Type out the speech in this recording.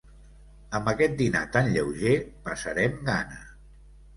Amb aquest dinar tan lleuger, passarem gana.